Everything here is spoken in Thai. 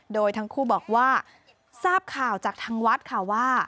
โดยทั้งคู่บอกว่าทราบข่าวจากทางวัดค่ะว่า